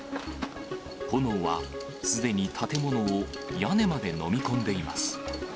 炎はすでに建物を屋根まで飲み込んでいます。